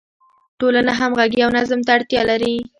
ټولنه همغږي او نظم ته اړتیا لري.